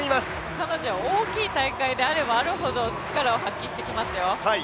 彼女は大きい大会であればあるほど力を発揮してきますよ。